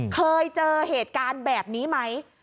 เคยเจอเหตุการณ์แบบนี้ไหม